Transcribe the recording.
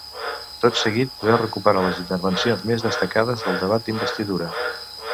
Tot seguit, podeu recuperar les intervencions més destacades del debat d’investidura.